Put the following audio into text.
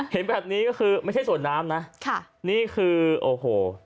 เห็นแบบนี้ก็คือไม่ใช่สวนน้ำนะค่ะนี่คือโอ้โห